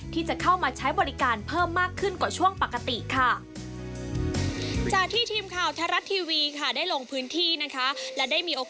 ที่จะเข้ามาใช้บริการเพิ่มมากขึ้นกว่าช่วงปกติค่ะ